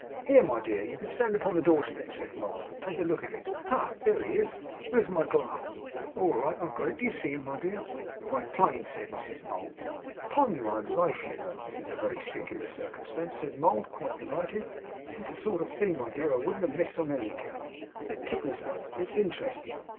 'Here, my dear. You can stand upon the door step,' said Mould, 'and take a look at him. Ha! There he is. Where's my glass? Oh! all right. I've got it. Do you see him, my dear?' 'Quite plain,' said Mrs Mould. 'Upon my life, you know, this is a very singular circumstance,' said Mould, quite delighted. 'This is the sort of thing, my dear, I wouldn't have missed on any account. It tickles one. It's interesting.